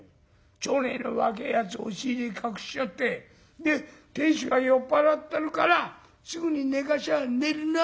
町内の若えやつを押し入れに隠しちゃってで亭主が酔っ払ってるからすぐに寝かしゃ寝るなあと思うだろ。